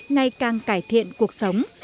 ngày càng cải thiện cuộc sống